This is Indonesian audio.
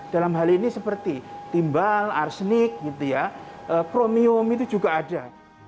dalam hal ini seperti timbal arsenik premium itu juga ada